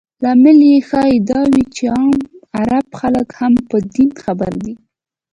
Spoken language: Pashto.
لامل یې ښایي دا وي چې عام عرب خلک هم په دین خبر دي.